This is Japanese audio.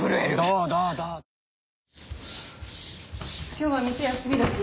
今日は店休みだし